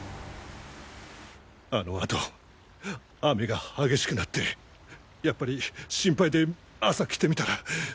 あのあと雨が激しくなってやっぱり心配で朝来てみたら。